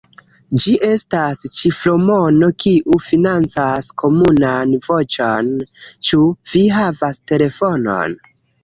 Ĝi estas ĉifromono kiu financas Komunan Voĉon. Ĉu vi havas telefonon?